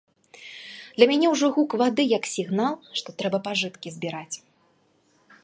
Для мяне ўжо гук вады як сігнал, што трэба пажыткі збіраць.